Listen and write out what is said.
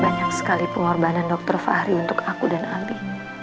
banyak sekali pengorbanan dokter fahri untuk aku dan albi